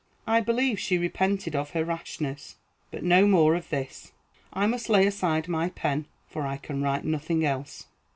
I believe she repented of her rashness. But no more of this. I must lay aside my pen, for I can write nothing else.